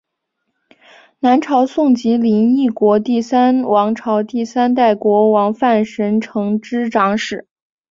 南朝宋及林邑国第三王朝第三代国王范神成之长史。